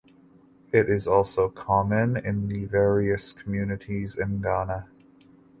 It is also common in the various communities in Ghana.